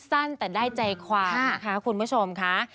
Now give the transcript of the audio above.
สั้นแต่ได้ใจความนะคะคุณผู้ชมค่ะ